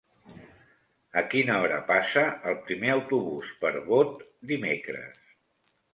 A quina hora passa el primer autobús per Bot dimecres?